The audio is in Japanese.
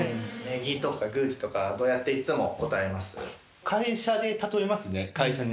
禰宜とか宮司とかどうやっていつも答えます？